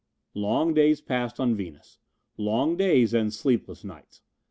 Long days passed on Venus. Long days and sleepless nights.